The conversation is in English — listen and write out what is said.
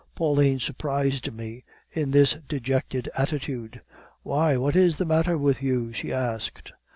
Pauline surprised me in this dejected attitude. "'Why, what is the matter with you?' she asked.